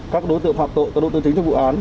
các đối tượng hoạt tội các đối tượng chính trong vụ án